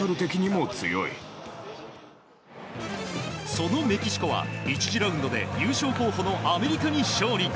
そのメキシコは１次ラウンドで優勝候補のアメリカに勝利。